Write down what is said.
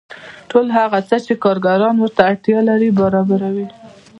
ټول هغه څه چې کارګران ورته اړتیا لري برابروي